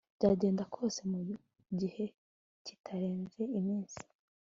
byagenda kose mu gihe kitarenze iminsi